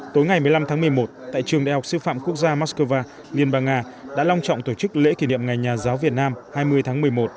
tối ngày một mươi năm tháng một mươi một tại trường đại học sư phạm quốc gia moscow liên bang nga đã long trọng tổ chức lễ kỷ niệm ngày nhà giáo việt nam hai mươi tháng một mươi một